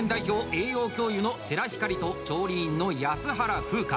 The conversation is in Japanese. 栄養教諭の世良光と調理員の安原風花。